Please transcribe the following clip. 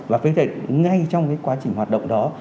và phải ngay trong quá trình hoạt động đó